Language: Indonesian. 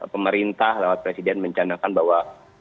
pemerintah lewat presiden mencanakan bahwa